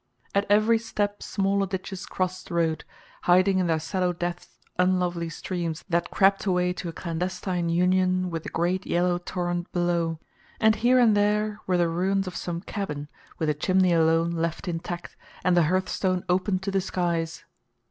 At every step smaller ditches crossed the road, hiding in their sallow depths unlovely streams that crept away to a clandestine union with the great yellow torrent below, and here and there were the ruins of some cabin with the chimney alone left intact and the hearthstone open to the skies.